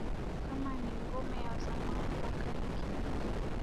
kama ni ngome ya zamani makali ya kijiji